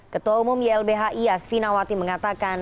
ketua umum ylbhi asfi nawati mengatakan